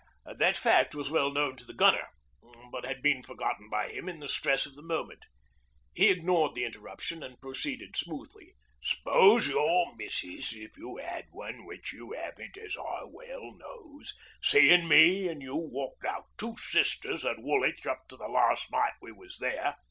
That fact was well known to the Gunner, but had been forgotten by him in the stress of the moment. He ignored the interruption, and proceeded smoothly. 'S'pose your missis, if you 'ad one, w'ich you 'aven't, as I well knows, seein' me 'n' you walked out two sisters at Woolwich up to the larst night we was there.